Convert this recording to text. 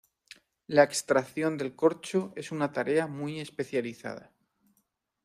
La extracción del corcho es una tarea muy especializada.